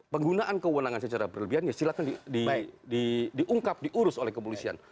penggunaan kewenangan secara berlebihan ya silahkan diungkap diurus oleh kepolisian